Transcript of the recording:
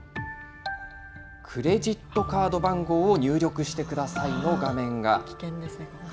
クレジットカード番号を入力してくださいの画面が。